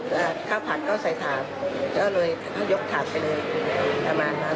อ่าข้าวผัดก็ใส่ถาดจะเอาเลยต้องยกถาดไปเลยประมาณนั้น